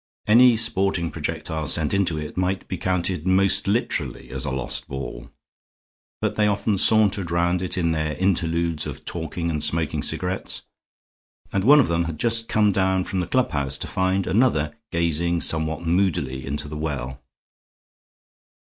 Any sporting projectile sent into it might be counted most literally as a lost ball. But they often sauntered round it in their interludes of talking and smoking cigarettes, and one of them had just come down from the clubhouse to find another gazing somewhat moodily into the well.